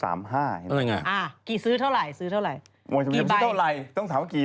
อะไร